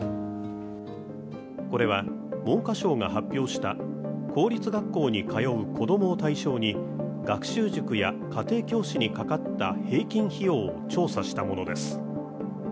これは文科省が発表した公立学校に通う子供を対象に学習塾や家庭教師にかかった平均費用を調査したものです。